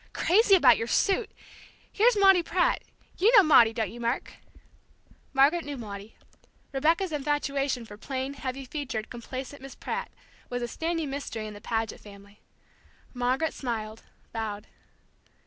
Crazy about your suit! Here's Maudie Pratt. You know Maudie, don't you, Mark?" Margaret knew Maudie. Rebecca's infatuation for plain, heavy featured, complacent Miss Pratt was a standing mystery in the Paget family. Margaret smiled, bowed.